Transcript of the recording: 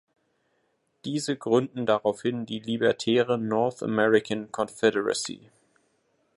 Diese gründen daraufhin die libertäre "North American Confederacy.